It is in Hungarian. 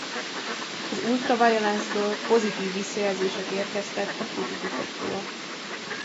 Az Ultraviolence-ről pozitív visszajelzések érkeztek a kritikusoktól.